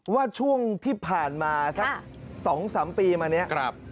ว่าช่วงที่ผ่านมาสัก๒๓ปีมาเนี่ย